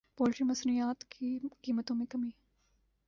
poultry مصنوعات کی قیمتوں میں کمی